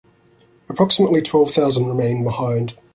Approximately twelve thousand remain behind.